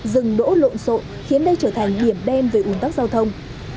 dừng đỗ lộn xộn khiến đây trở thành điểm đen về ủn tắc giao thông